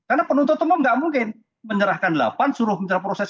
karena penuntut umum nggak mungkin menyerahkan delapan suruh mencerah proses